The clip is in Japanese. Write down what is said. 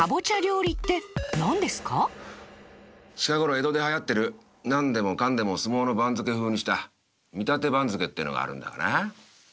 近頃江戸で流行ってる何でもかんでも相撲の番付風にした「見立て番付」ってのがあるんだがな。